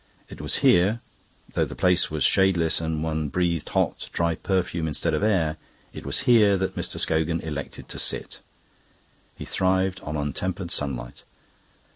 It was here, though the place was shadeless and one breathed hot, dry perfume instead of air it was here that Mr. Scogan elected to sit. He thrived on untempered sunlight.